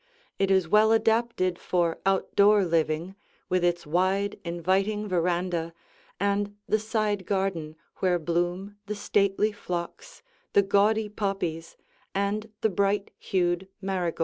It is well adapted for outdoor living, with its wide, inviting veranda and the side garden where bloom the stately phlox, the gaudy poppies, and the bright hued marigold.